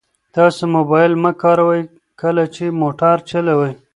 تاسو موبایل مه کاروئ کله چې موټر چلوئ.